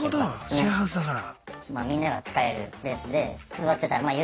シェアハウスだから。